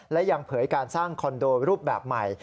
และยังเผยการสร้างคอนโดรูปแบบใหม่